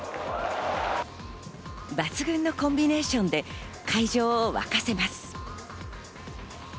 抜群のコンビネーションで会場を沸かせます。